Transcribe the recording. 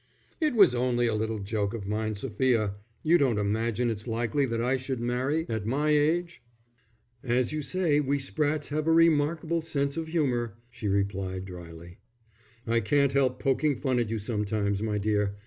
"It was only a little joke of mine, Sophia. You don't imagine it's likely that I should marry at my age." "As you say, we Sprattes have a remarkable sense of humour," she replied, dryly. "I can't help poking fun at you sometimes, my dear.